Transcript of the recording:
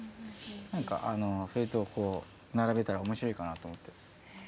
何かそれとをこう並べたら面白いかなと思って。